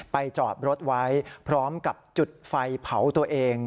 จอดรถไว้พร้อมกับจุดไฟเผาตัวเอง